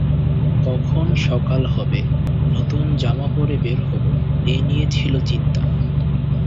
কখন সকাল হবে, নতুন জামা পরে বের হব—এ নিয়ে ছিল চিন্তা।